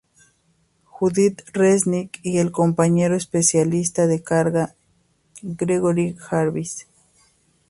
Judith Resnik y el compañero especialista de carga Gregory Jarvis.